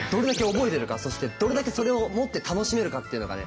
そしてどれだけそれをもって楽しめるかっていうのがね